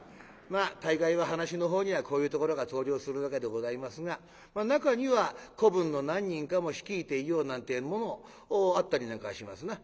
大概は噺のほうにはこういうところが登場するわけでございますが中には子分の何人かも率いていようなんてぇ者もあったりなんかしますな。